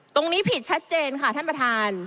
ตรงนี้ผิดชัดเจนค่ะท่านประธาน